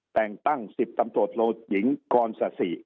แต่งตั้ง๑๐ตำรวจหลวงหญิงคศ